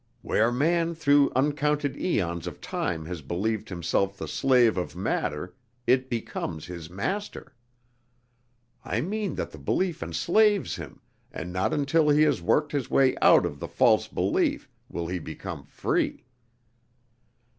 Where man through uncounted eons of time has believed himself the slave of matter, it becomes his master. I mean that the belief enslaves him, and not until he has worked his way out of the false belief, will he become free."